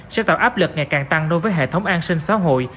sẽ tạo áp lực ngày càng tăng đối với hệ thống an sinh xã hội